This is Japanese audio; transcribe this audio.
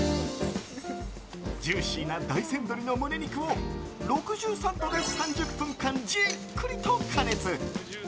ジューシーな大山どりの胸肉を６３度で３０分間じっくりと加熱。